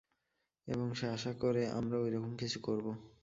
এবং সে আশা করে আমরাও ঐরকম কিছু করবো।